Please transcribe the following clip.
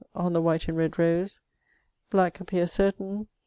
on the white and red rose .... black appere sartayne .